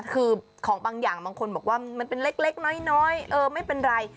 คือของบางอย่างบางคนบอกว่ามันเป็นเล็กน้อยไม่เป็นไร